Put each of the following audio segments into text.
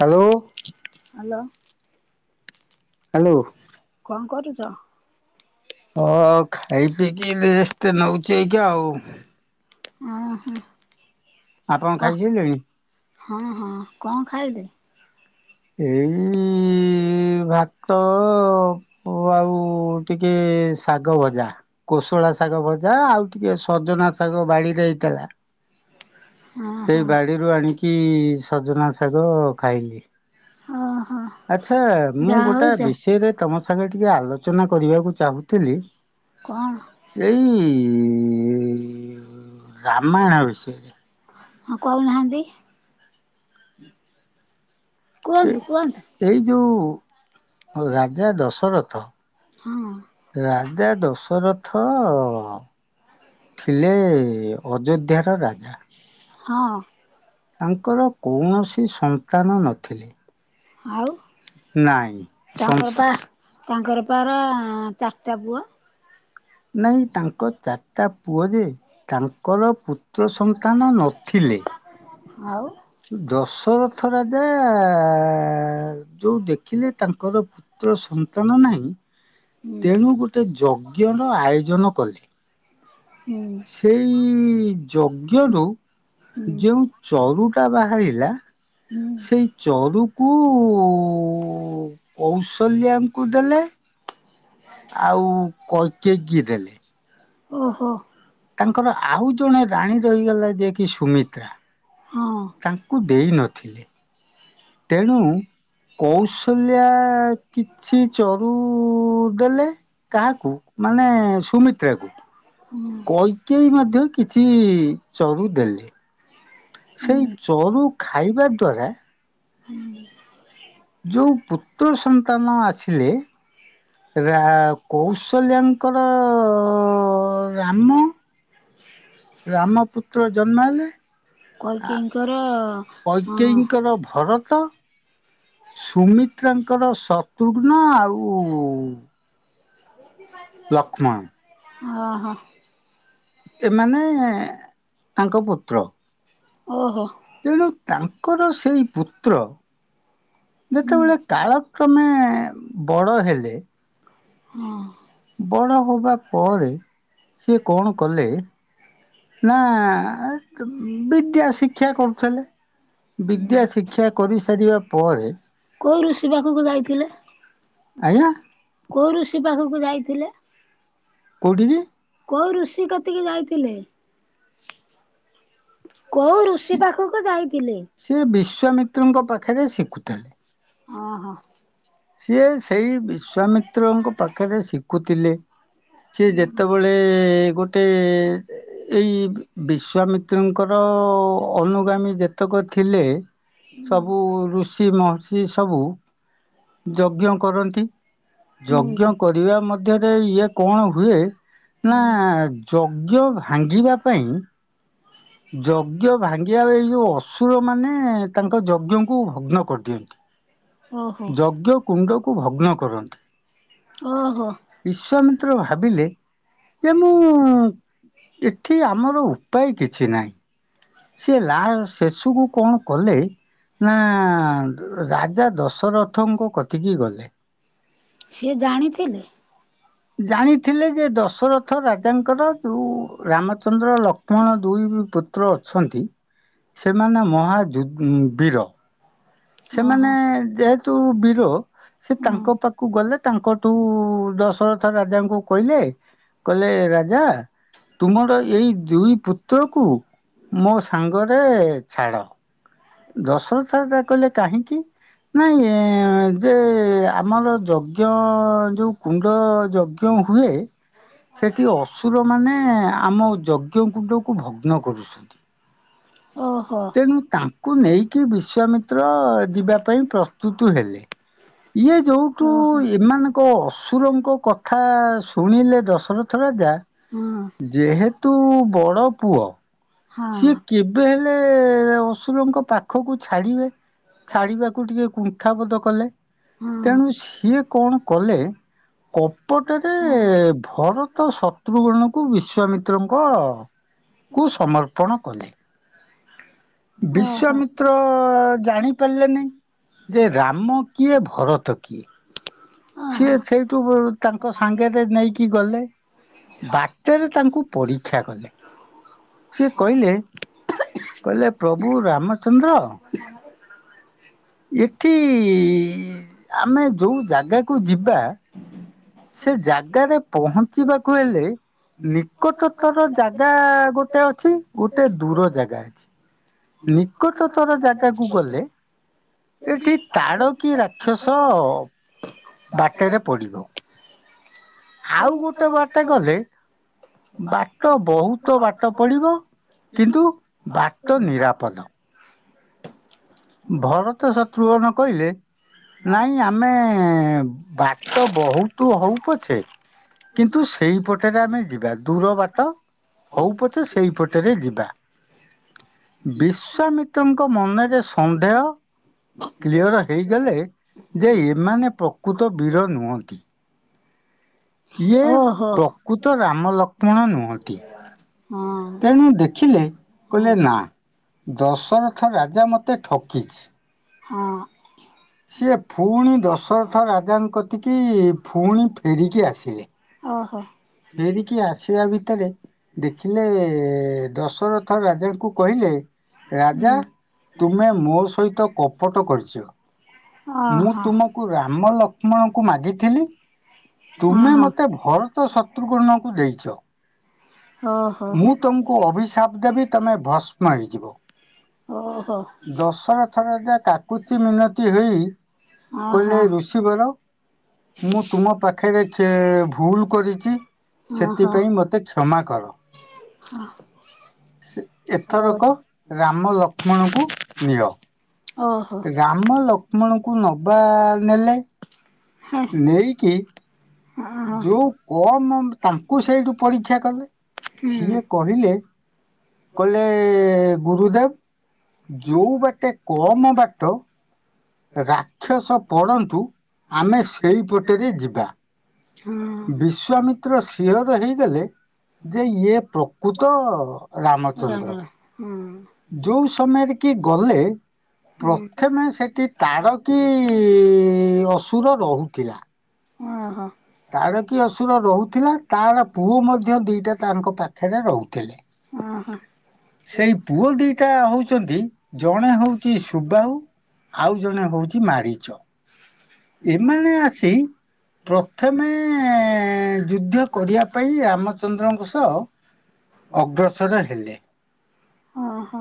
Hello hello. Hello ହଲ କଣ କରୁଛ? ହଁ ଖାଇ ପିଇକି ରେଷ୍ଟ୍ଟନଉଚି ଏଇକା ଆଉ। ଓ ହୋ ଆପଣ କହ। ଖାଇସାରିଲେଣି? ହଁ ହଁ କଣ ଖାଇଲେ? ଏ ଇ ଭାତ ଆଉ ଟିକେ ଶାଗ ଭଜା। କୋଶଳା ଶାଗ ଭଜା ଆଉ ଟିକେ ସଜନା ଶାଗ ବାଡିରେ ହେଇଥିଲା। ହଁ ସେଇ ହଁ ବାଡିରୁ ଆଣିକି ସଜନା ଶାଗ ଖାଇଲି। ଓହୋ। ଆ୍ଛା ମୁଁ ଯାହା ହଉ ଗୋଟା ଯା ବିଷୟରେ ତମ ସାଙ୍ଗେ ଟିକେ ଆଲୋଚନା କରିବାକୁ ଚାହୁଥିଲି। କଣ? ଏଇ ରାମାୟଣ ବିଷୟରେ ହଁ କହୁ ନାହାନ୍ତି? କୁହନ୍ତୁ କୁହନ୍ତୁ। ଏଇ ଯଉ ରାଜା ଦଶରଥ ହଁ ରାଜା ଦଶରଥ ଥିଲେ ଅଯୋଧ୍ୟାର ରାଜା ହଁ ତାଙ୍କର କୌଣସି ସନ୍ତାନ ନଥିଲେ। ଆଉ ନାଇଁ ସନ୍ ତାଙ୍କର ବା ତାଙ୍କର ପାରା ଚାରିଟା ପୁଅ? ନାଇଁ ତାଙ୍କର ଚାରିଟା ପୁଅ ଯେ ତାଙ୍କର ପୁତ୍ର ସନ୍ତାନ ନଥିଲେ। ଆଉ? ଦଶରଥ ରାଜା ଯୋଉ ଦେଖିଲେ ତାଙ୍କର ପୁତ୍ର ସନ୍ତାନ ନାହିଁ। ହୁଁ ତେଣୁ ଗୋଟେ ଯଜ୍ଞ ର ଆୟୋଜନ କଲେ। ହୁଁ ସେଇ ଯଜ୍ଞରୁୁ ଯେଉ ହୁଁ ଚରୁଟା ବାହାରିଲା ମୁଁ ସେ ସେଇ ଚରୁକୁ କୌଶଲ୍ୟାଙ୍କୁ ଦେଲେ। ଆଉ କୈକେୟୀକି ଦେଲେ। ଓହୋ। ତାଙ୍କର ଆଉ ଜଣେ ରାଣୀ ରହିଗଲା ଯିଏ କିି ସୁମିତ୍ରା। ହଁ ତାଙ୍କୁ ଦେଇ ନଥିଲେ। ତେଣୁ କୌଶଲ୍ୟା କିଛି ଚରୁ ଦେଲେ କାହାକୁ ମାନେ ସୁମି ତାତ୍କୁ ହୁଁ କୈକେୟୀ ମଧ୍ୟ କିଛି ଚରୁ ଦେଲେ। ସେଇ ହୁଁ ଚରୁ ଖାଇବା ଦ୍ୱାରା ହୁଁ। ଯୋଉ ପୁତ୍ର ସନ୍ତାନ ଆସିଲେ ରା କୌଶଲ୍ୟାଙ୍କର ଅ ରାମ ରାମ ପୁତ୍ର ଜନ୍ମ ହେଲେ। ଆ କୈକେୟୀଙ୍କର ହଁ କୈକେୟୀଙ୍କର ଭରତ ସୁମିତ୍ରାଙ୍କର ଶତ୍ରୁଘ୍ନ ଆଉ ଲକ୍ଷ୍ମଣ ଅ ହଁ। ଏମାନେ ତାଙ୍କ ପୁତ୍ର ଓହୋ। ତେଣୁ ତାଙ୍କର ସେଇ ପୁତ୍ର ହୁଁ ଯେତେବେଳେ କାଳ କ୍ରମେ ବଡ ହେଲେ ହଁ। ବଡ ହେବା ପରେ ସିଏ କଣ କଲେ ନାଁ ଆ କ ଉଁ ବିଦ୍ୟା ଶିକ୍ଷା କରୁଥେଲେ। ବିଦ୍ୟା ଶିକ୍ଷା କରିସାରିବା ପରେ କୋଉ ଋଷି ପାଖକୁ ଯାଇଥିଲେ? ଆଜ୍ଞା। କୋଉ ଋଷି ପାଖକୁ ଯାଇଥିଲେ? କୋଉଠିକି କୋଉ ଋଷି କତିକି ଯାଇଥିଲେ? କୋଉ ଋଷି ପାଖକୁ ଯାଇଥିଲେ? ସିଏ ବିଶ୍ଵାମିତ୍ରଙ୍କ ପାଖେରେ ଶିଖୁଥେଲେ। ଅଁ ହଁ। ସିଏ ସେଇ ବିଶ୍ଵାମିତ୍ରଙ୍କ ପାଖରେ ଶିକୁଥିଲେ। ସିଏ ଯେତେବେଳେ ଗୋଟେ ଏଇ ବି ବିଶ୍ଵାମିତ୍ରଙ୍କର ଅନୁଗାମୀ ଯେତକ ଥିଲେ ହୁଁ ସବୁ ଋଷି ମହର୍ଷି ସବୁ। ଯଜ୍ଞ କରନ୍ତି ଯଜ୍ଞ ହୁଁ କରିବା ମଧ୍ୟରେ ଏ ଇଏ କଣ ହୁଏ ନା ଯଜ୍ଞ ଭାଙ୍ଗିବା ପାଇଁ ଯଜ୍ଞ ଭାଙ୍ଗିବା ବେଳେ ଏଇ ଯୋଉ ଅସୁରମାନେ ତାଙ୍କ ଯଜ୍ଞଙ୍କୁ ଭଗ୍ନ କରିଦିଅ ଓହୋ। ଯଜ୍ଞ କୁଣ୍ଡକୁ ଭଗ୍ନ କରନ୍ତି। ଓହୋ। ବିଶ୍ଵାମିତ୍ର ଭାବିଲେ ଯେ ମୁଁ ଏଠି ଆମର ଉପାୟ କିଛି ନାହିଁ। ସିଏ ଲା ଶେଷକୁୁ କଣ କଲେ ନା ଦ- ରାଗ ଜା ଦଶରଥଙ୍କ କତିିକି ଗଲେ। ସିଏ ଜାଣିଥିଲେ? ଜାଣିଥିଲେ ଯେ, ଦଶରଥ ରାଜାଙ୍କର ଯୋଉ ରାମଚନ୍ଦ୍ର ଲକ୍ଷ୍ମଣ ଦୁଇ ପୁ ତ୍ର ଅଛନ୍ତି, ସେମାନେ ମହା ଯୁଦ୍ ଉଁ, ବୀର। ଓହୋ। ସେମାନେ ଯେହେତୁ ବୀର। ସେ ହୁଁ ତାଙ୍କ ପାକୁ ଗଲେ ତାଙ୍କଠୁ ଦଶରଥ ରାଜାଙ୍କୁ କଇଲେ କଇଲେ ରାଜା। ତୁମର ଏଇ ଦୁଇ ପୁତ୍ରକୁ ମୋ ସାଙ୍ଗରେ ଛାଡ଼। ଦଶରଥ ରାଜା କହିଲେ କାହିଁକି? ନାଇଁ ଏ ଯେ ଆମର ଯଜ୍ଞ ଯୋଉ କୁଣ୍ଡ ଯଜ୍ଞ ହୁଏ। ସେଠି ଅସୁରମାନେ ଆମ ଯଜ୍ଞ କୁଣ୍ଡକୁ ଭଗ୍ନ କରୁଛନ୍ତି। ଓ ହୋ। କୁ ନେଇକି ବିଶ୍ଵାମିତ୍ର ଅ, ଯିବା ପାଇଁ ପ୍ରସ୍ତୁତ ହେଲେ। ଇଏ ଯୋଉଠୁ ଓହୋ ଏମାନଙ୍କ ଅ ସୁରଙ୍କ କଥା ଶୁଣିଲେ ଦଶରଥ ରାଜା। ହଁ ଯେହେ ତୁ ବଡ଼ ପୁଅ। ସିଏ କେବେ ହେଲେ ଅସୁରଙ୍କ ପାଖକୁ ଛାଡିବେ। ଛାଡ଼ିବାକୁ ଟିକେ କୁଣ୍ଠାବୋଧ କଲେ। ହଁ ତେଣୁ ସିଏ କଣ କଲେ। କପଟରେ ହଁ। ଭରତ ଶତ୍ରୁଘନକୁ ବିଶ୍ଵାମିତ୍ରଙ୍କ ତୁ ସମର୍ ପଣ କଲେ। ଓହୋ ବିଶ୍ଵାମି ତ୍ର ଜାଣି ପାରିଲେନି, ଯେ ରାମ କିଏ ଭରତ କିଏ? ସିଏ ଓହୋ। ସେଇଠୁ ତାଙ୍କ ସାଙ୍ଗରେ ନେଇକି ଗଲେ। ବାଟରେ ତାଙ୍କୁ ପରୀକ୍ଷା କଲେ। ସିଏ କହିଲେ କହିଲେ ପ୍ରଭୁ ରାମଚନ୍ଦ୍ର। [inaudible] ଏଠି ଆମେ ଯୋଉ ଜାଗାକୁ ଯିବା। ସେ ଜାଗାରେ ପହଞ୍ଚିବାକୁ ହେଲେ ନିକଟତର ଜାଗା ଗୋଟେ ଅଛି, ଗୁଟେ ଦୂର ଜାଗା ଅଛି। ନିକଟତର ଜାଗାକୁ ଗଲେ ଏଠି ତାଡ଼କୀ ରାକ୍ଷସ ବାଟରେ ପଡ଼ିବ। ଆଉ ଗୋଟେ ବାଟ ଗଲେ ବାଟ ବହୁତ ବାଟ ପଡିବ। କିନ୍ତୁ ବାଟ ନିରାପଦ। ଭରତ ଶତ୍ରୁଘନ କହିଲେ ନାଇଁ ଆମେ ବାଟ ବହୁତୁ ହଉ ପଛେ କିନ୍ତୁ ସେଇପଟରେ ଆମେ ଯିବା। ଦୂର ବାଟ ହଉ ପଛେ ସେଇପଟରେ ଯିବା। ବିଶ୍ୱାମିତ୍ରଙ୍କ ମନରେ ସ ନ୍ଦେହ କ୍ଲିଅର୍ ହେଇଗଲେ ଯେ ଏମାନେ ପ୍ର କୁତ ବୀର ନୁହଁନ୍ତି। ଇଏ ଓହୋ। ହଁ। ପ୍ରକୃତ ରାମ ଲକ୍ଷ୍ମଣ ନୁହଁନ୍ତି। ତେଣୁ ଦେଖିଲେ କହିଲେ ନା ଦଶରଥ ରାଜା ମୋତେ ଠକିଛି। ହଁ। ସିଏ ଫୁଣି ଦଶରଥ ରାଜାଙ୍କ କତିକି ଫୁଣି ଫେରିକି ଆସିଲେ। ଓହ। ଫେରିକି ଆସିବା ଭିତରେ ଦେଖିଲେ ଦଶର ଥ ରାଜାଙ୍କୁ କହିଲେ ରାଜା ହୁଁ ତୁମେ ମୋ ସହିତ କପଟ କରିଚ। ମୁଁ ଓହୋ ତୁମକୁ ରାମ ଲକ୍ଷ୍ମଣଙ୍କୁ ମାଗିଥିଲି ତୁମେ ମତେ ଭରତ ଶତ୍ରୁଘ୍ନଙ୍କୁ ଦେଇଚ। ଓହୋ। ତମକୁ ଅଭିଶାପ ଦେବି ତମେ ଭସ୍ମ ହେଇଯିବ। ଓହୋ। ଦଶରଥ ରାଜା କାକୁତି ମିନତି ହୋଇ କହିଲେ ଓହୋ ଋଷ୍ ଷି ବର ମୁଁ ତୁମ ପାଖରେ କେ ଭୁଲ କରିଚି। ସେଥିପାଇଁ ମତେ କ୍ଷମା କର। ହଁ ସେ ଓ। ଏଥରକ ରାମ ଲକ୍ଷ୍ମଣଙ୍କୁ ନିଅ ଓହୋ। ରାମ ଲକ୍ଷ୍ମଣଙ୍କୁ ନବା ନେଲେ। ହୁଁ। ନେଇକି ଯୋଉ କମ୍ ତାଙ୍କୁ ସେଇଠୁ ପରୀକ୍ଷା କଲେ ସିଏ କ ହୁଁ। କହିଲେ କହିଲେ ଗୁରୁଦେବ ଯୋଉ ବାଟେ କମ ବାଟ ରାକ୍ଷସ ପଡ଼ନ୍ତୁ ଆମେ ସେଇପଟରେ ଯିବା। ହଁ। ବିଶ୍ଵାମିତ୍ର ସିଓର ହେଇଗଲେ ଯେ ଇଏ ପ୍ରକୃତ ରାମଚନ୍ଦ୍ର। ହୁଁ। ଯୋଉ ସମୟରେ କି ଗଲେ ପ୍ରଥମେ ସେଠି ତାଡ଼କିି ଅସୁର ରହୁଥିଲା। ଅହଁ। ତାଡକୀ ଅସୁର ରହୁଥିଲା ତାର ପୁଅ ମଧ୍ୟ ଦିଇଟା ତାଙ୍କ ପାଖରେ ରହୁଥିଲେ। ଓହଁ। ସେଇ ପୁଅ ଦିଇଟା ହୋଉଚନ୍ତି ଜଣେ ହୋଉଚି ସୁବାହୁ। ଆଉ ଜଣେ ହୋଉଚି ମାରିଚ। ଏମାନେ ଆସି ପ୍ରଥମେ ଯୁଦ୍ଧ କରିବା ପାଇଁ ରାମଚନ୍ଦ୍ରଙ୍କ ସହ ଅଗ୍ରସର ହେଲେ।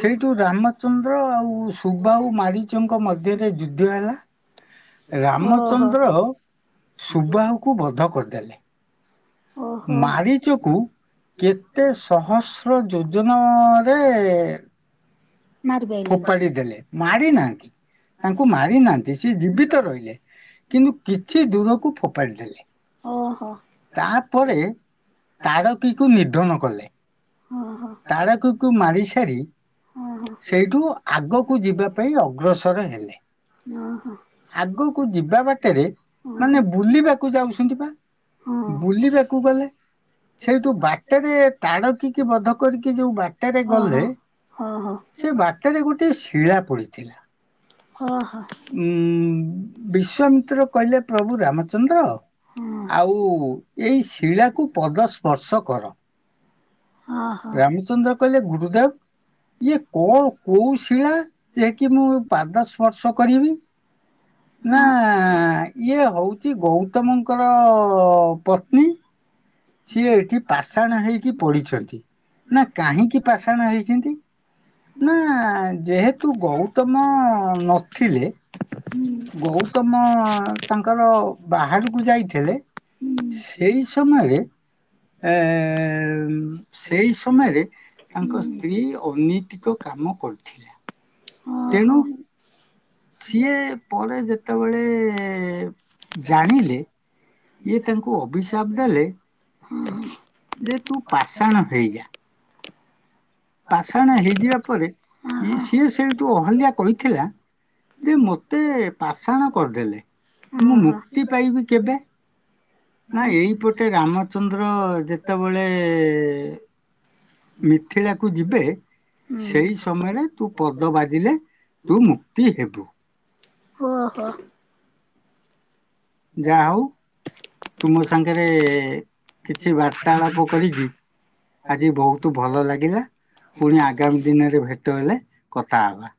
ସେଇଠୁ ରାମଚନ୍ଦ୍ର ଆଉ ସୁବାହୁ ମାରିଚଙ୍କ ମଧ୍ୟରେ ଯୁଦ୍ଧ୍ୟ ହେଲା। ଓହୋ ଓହୋ ଓହୋ। ରାମଚନ୍ଦ୍ର ସୁବାହକୁ ବଧ କରିଦେଲେ। ଓହୋ ଓହୋ। ମାରିଚକୁ କେତେ ଶହସ୍ର ଯୋଜନାରେ ମାରି ପାଇଲେନି ଫୋପାଡି ଦେଲେ ମାରି ନାହାନ୍ତି। ତାଙ୍କୁ ମାରି ନାହାନ୍ତି ସିଏ ଜୀବିତ ରହିଲେ କିନ୍ତୁ କିଛି ଦୂରକୁ ଫୋପାଡ଼ି ଦେଲେ। ଓହୋ। ତାଡକୀକୁ ନିଧନ କଲେ ଓହୋ। ତାଡକୀକୁ ମାରି ସାରି ସେଇଠୁ ଆଗକୁ ଯିବା ପାଇଁ ଅଗ୍ରସର ହେଲେ। ଆଗକୁ ଯିବା ବାଟରେ ଓହୋ ଓହୋ ମାନେ ବୁଲିବାକୁ ଯାଉଛନ୍ତି ପା। ହଁ। ବୁଲିବାକୁ ଗଲେ ସେଇଠୁ ବାଟରେ ତାଡକୀକି ବଧ କରିକି ଯୋଉ ବାଟରେ ହଁ ଗଲେ ହଁ ହଁ। ସେ ବାଟରେ ଗୋଟିଏ ଶିଳା ପଡିଥିଲା। ହଁ ହଁ। ଉଁ ବିଶ୍ଵାମିତ୍ର କହିଲେ ପ୍ରଭୁ ରାମଚନ୍ଦ୍ର ହଁ ହଁ ଆଉ ଏଇ ଶିଳାକୁ ପଦ ସ୍ପର୍ଶ କର ହଁ ହଁ। ରାମଚନ୍ଦ୍ର କହିଲେ ଗୁରୁଦେବ ଇଏ କଣ କୋଉ ଶିଳା ଯେ କି ମୁଁ ପାଦ ସ୍ପର୍ଶ କରିବି? ନା ହଁ ହୁଁ। ଇଏ ହୋଉଛି ଗୌତମଙ୍କର ପତ୍ନୀ ସିଏ ଏଠି ପାଷାଣ ହେଇକି ପଢିଛନ୍ତି। ନା କାହିଁକି ପାଷାଣ ହେଇଛନ୍ତି? ନା ଯେହେତୁ ଗୌତମ ନଥିଲେ। ଗୌତମ ତାଙ୍କର ବାହାହାରକୁ ଯାଇଥିଲେ। ସେଇ ସମୟରେ ଏଁ ସେଇ ସମୟରେ ତାଙ୍କ ସ୍ତ୍ରୀ ଅନୈତିକ କାମ କରିଥିଲେ। ଓହୋ ହଁ ତେଣୁ ଓହୋ। ଓହୋ ସିଏ ପରେ ଯେତେବେଳେ ଜାଣିଲେ ଇଏ ତାଙ୍କୁ ଅଭିଶାପ ଦେଲେ ଓହୋ। ଯେ ତୁ ପାଷାଣ ହେଇଯା। ପାଷାଣ ହେଇଯିବା ପରେ ସିଏ ସେଇଠୁ ଅହଲ୍ୟା କହିଥିଲା। ଯେ ମତେ ପାଷାଣ କରିଦେଲେ। ମୁଁ ମୁକ୍ତି ପାଇବି କେବେ? ନା ଏଇପଟେ ରାମଚନ୍ଦ୍ର ଯେତେବେଳେ ମିଥିଳାକୁ ଯିବେ ହୁଁ। ସେଇ ସମୟରେ ତୁ ପଦ ବାଜିଲେ ତୁ ମୁକ୍ତି ହେବୁ। ଓହୋ। ଯାହା ହୋଉ। ତୁମ ସାଙ୍ଗରେ କିଛି ବାର୍ତ୍ତାଳାପ କରିକି ଆଜି ବହୁତ ଭଲ ଲାଗିଲା ପୁଣି ଆଗାମୀ ଦିନରେ ଭେଟ ହେଲେ କଥା ହେବା।